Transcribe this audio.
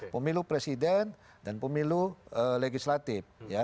pemilu presiden dan pemilu legislatif